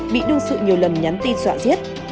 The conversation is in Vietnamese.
bị đơn sự nhiều lần nhắn tin dọa diết